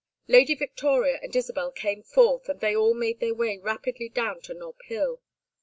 Lady Victoria and Isabel came forth, and they all made their way rapidly down to Nob Hill.